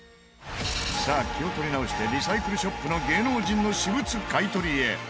さあ気を取り直してリサイクルショップの芸能人の私物買い取りへ。